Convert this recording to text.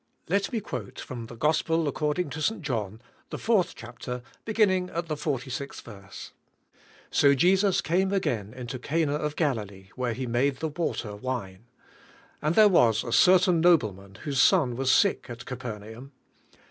LET me quote from the Gospel according to St. John, the 4th chapter, beginning at the 46th verse: "So Jesus came again into Cana of Gali lee, where He made the water wine. And there was a certain nobleman whose son was sick at Ca pernaum.